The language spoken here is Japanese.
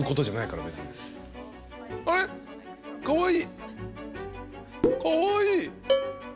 かわいい。